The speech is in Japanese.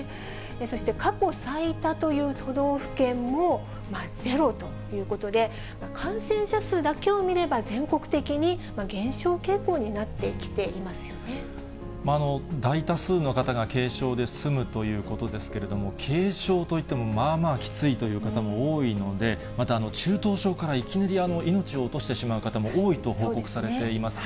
そして、過去最多という都道府県も、ゼロということで、感染者数だけを見れば、全国的に減少傾向にな大多数の方が軽症で済むということですけれども、軽症といっても、まあまあきついという方が多いので、また、中等症からいきなり命を落としてしまう人も多いと報告されています。